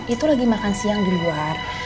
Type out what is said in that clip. itu lagi makan siang di luar